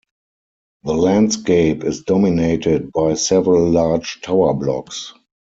The landscape is dominated by several large tower blocks.